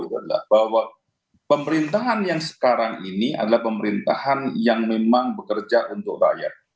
bahwa pemerintahan yang sekarang ini adalah pemerintahan yang memang bekerja untuk rakyat